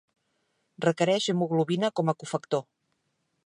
Requereix hemoglobina com a cofactor.